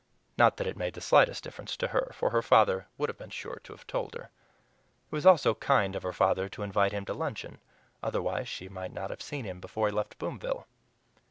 Not that it made the slightest difference to her, for her father would have been sure to have told her. It was also kind of her father to invite him to luncheon. Otherwise she might not have seen him before he left Boomville.